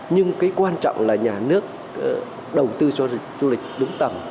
nhưng cái quan trọng là nhà nước đầu tư cho du lịch đúng tầm